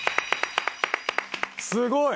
すごい！